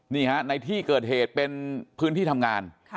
นี่ฮะในที่เกิดเหตุเป็นพื้นที่ทำงาน